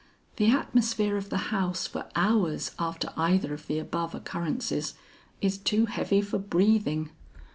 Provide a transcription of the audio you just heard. The atmosphere of the house for hours after either of the above occurrences is too heavy for breathing.